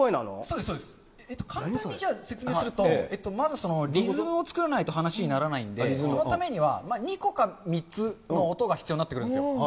簡単に説明すると、まず、リズムを作らないと話にならないんで、そのためには、２個か３つの音が必要になってくるんですよ。